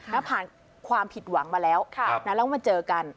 แล้วผ่านความผิดหวังมาแล้วแล้วมาเจอกัน